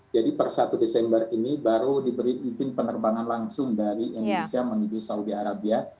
jadi per satu desember ini baru diberi izin penerbangan langsung dari indonesia menuju saudi arabia